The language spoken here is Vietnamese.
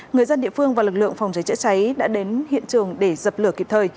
người dân địa phương và lực lượng phòng cháy chữa cháy đã đến hiện trường để dập lửa kịp thời